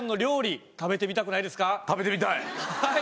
はい。